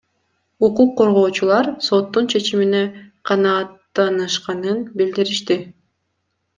Укук коргоочулар соттун чечимине канааттанышканын билдиришти.